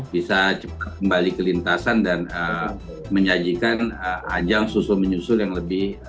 bisa cepat kembali ke lintasan dan menyajikan ajang susul menyusul yang lebih